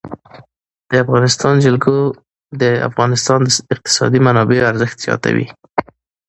د افغانستان جلکو د افغانستان د اقتصادي منابعو ارزښت زیاتوي.